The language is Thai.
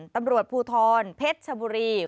ตำรวจภูทรเพชรชบุรี